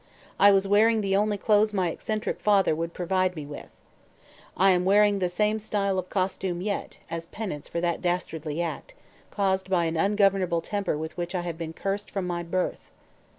I was wearing the only clothes my eccentric father would provide me with. I am wearing the same style of costume yet, as penance for that dastardly act caused by an ungovernable temper with which I have been cursed from my birth.